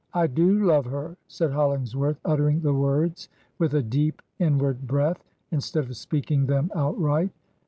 ' I do love her I ' said Hollings worth, uttering the words with a deep inward breath, instead of speaking them outright.